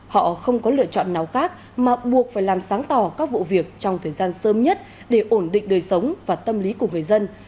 họ không có lựa chọn nào khác mà buộc phải làm sáng tỏ các vụ việc trong thời gian sớm nhất để ổn định đời sống và tâm lý của người dân